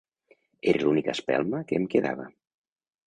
Era l'única espelma que em quedava.